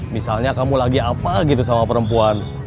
misalnya kamu lagi apa gitu sama perempuan